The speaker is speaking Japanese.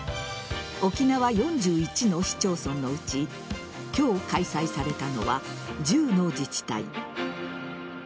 沖縄４１の市町村のうち今日、開催されたのは１０の自治体。